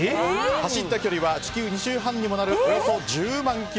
走った距離は地球２周半にもなるおよそ１０万ｋｍ。